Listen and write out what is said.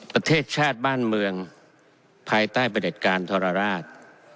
ประเทศชาติบ้านเมืองภายใต้ประเด็จการทรราช